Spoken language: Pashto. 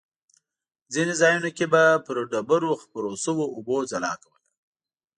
ځینې ځایونو کې به پر ډبرو خپرو شوو اوبو ځلا کوله.